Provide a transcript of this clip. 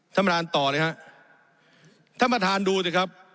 ท่านประธานต่อเลยฮะท่านประธานดูสิครับ